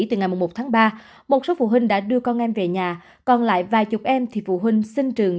từ ngày một tháng ba một số phụ huynh đã đưa con em về nhà còn lại vài chục em thì phụ huynh sinh trường